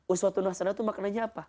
uswatun hasanah itu maknanya apa